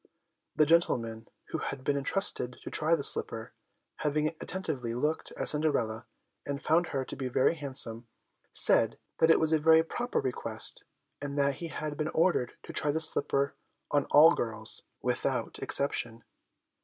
The gentleman who had been entrusted to try the slipper, having attentively looked at Cinderella and found her to be very handsome, said that it was a very proper request, and that he had been ordered to try the slipper on all girls without exception.